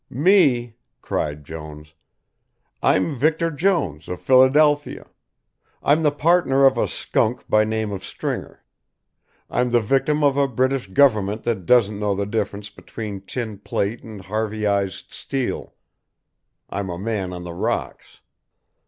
"Me," cried Jones, "I'm Victor Jones of Philadelphia. I'm the partner of a skunk by name of Stringer. I'm the victim of a British government that doesn't know the difference between tin plate and Harveyised steel. I'm a man on the rocks."